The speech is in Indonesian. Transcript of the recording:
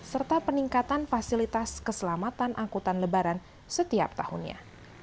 serta peningkatan fasilitas keselamatan angkutan lebaran setiap tahunnya